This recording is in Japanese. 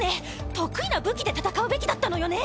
得意な武器で戦うべきだったのよね。